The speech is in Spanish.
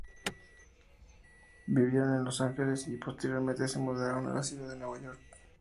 Vivieron en Los Angeles y, posteriormente se mudaron a la ciudad de Nueva York.